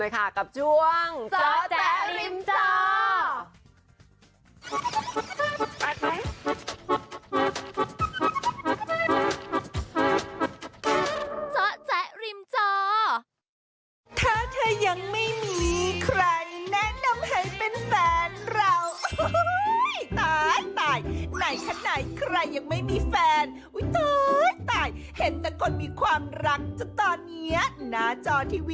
ขอบคุณผู้ชมเลยค่ะกับช่วงจแจริมจอ